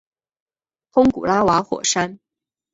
通古拉瓦火山。